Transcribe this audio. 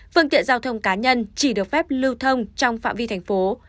phương tiện giao thông cá nhân chỉ được phép lưu thông trong phạm vi thành phố